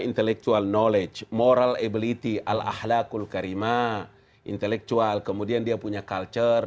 intellectual knowledge moral ability al ahlakul karima intelektual kemudian dia punya culture